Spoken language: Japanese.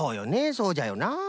そうじゃよな。